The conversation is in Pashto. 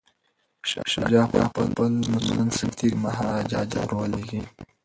شاه شجاع به خپل مسلمان سرتیري مهاراجا ته ور لیږي.